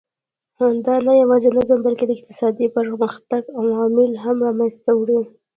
دا نه یوازې نظم بلکې د اقتصادي پرمختګ عوامل هم له منځه وړي.